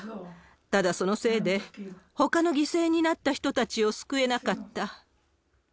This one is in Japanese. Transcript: ただ、そのせいで、ほかの犠牲になった人たちを救えなかった。